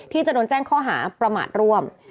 ที่จะโดนแจ้งข้อหาประมาทร่วม